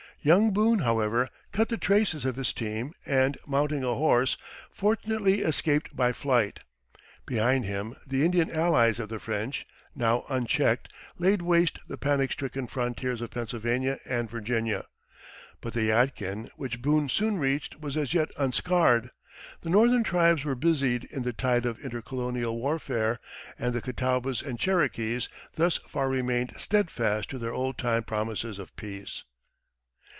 Young Boone, however, cut the traces of his team, and mounting a horse, fortunately escaped by flight. Behind him the Indian allies of the French, now unchecked, laid waste the panic stricken frontiers of Pennsylvania and Virginia. But the Yadkin, which Boone soon reached, was as yet unscarred; the Northern tribes were busied in the tide of intercolonial warfare, and the Catawbas and Cherokees thus far remained steadfast to their old time promises of peace.